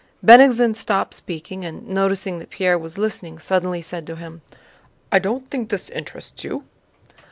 Bennigsen stopped speaking and, noticing that Pierre was listening, suddenly said to him: "I don't think this interests you?"